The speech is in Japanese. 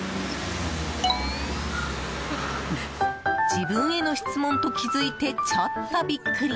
自分への質問と気付いてちょっとビックリ。